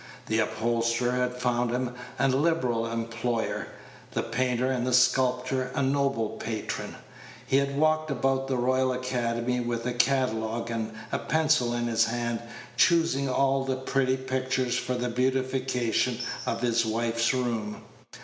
The upholsterer had found him a liberal employer, the painter and the sculptor a noble patron. He had walked about the Royal Academy with a catalogue and a pencil in his hand, choosing all the "pretty" pictures for the beautification of his wife's rooms.